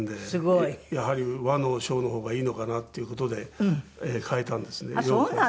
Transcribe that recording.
やはり和のショーの方がいいのかなっていう事で変えたんですね洋から。